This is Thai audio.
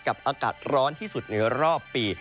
อากาศร้อนที่สุดในรอบปี